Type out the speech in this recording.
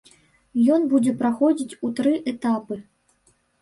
Ён будзе праходзіць у тры этапы.